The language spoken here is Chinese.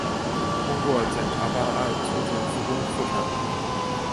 通过检察办案促进复工复产